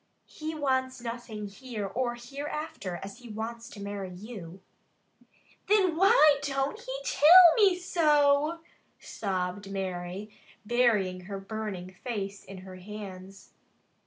"He wants nothing here or hereafter as he wants to marry you." "Thin why don't he till me so?" sobbed Mary, burying her burning face in her hands.